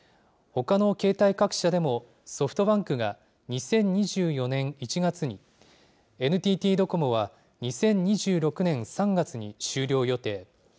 ほかの携帯各社でも、ソフトバンクが２０２４年１月に、ＮＴＴドコモは２０２６年３月に終了予定。